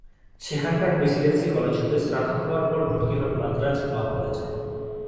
সেখানকার Presidency College হতে স্নাতক হওয়ার পর ভর্তি হন মাদ্রাজ ল'কলেজে।